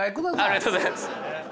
ありがとうございます。